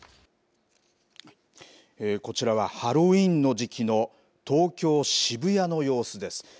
こちらはハロウィーンの時期の東京・渋谷の様子です。